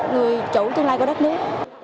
người chủ tương lai của đất nước